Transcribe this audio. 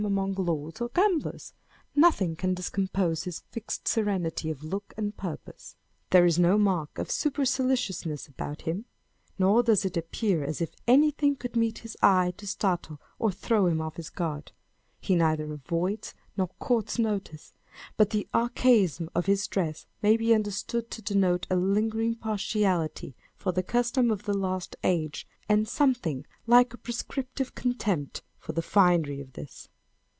among lords or gamblers ; nothing can discompose Lis fixed serenity of look and purpose ; there is no mark of superciliousness about him, nor does it appear as if anything could meet his eye to startle or throw him off his guard ; he neither avoids nor courts notice ; but the archaism of his dress may be understood to denote a lingering partiality for the costume of the last age, and something like a prescriptive contempt for the finery of this.